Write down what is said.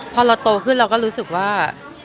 พอเราโตขึ้นเราก็รู้สึกว่า